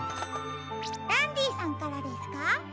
ダンディさんからですか？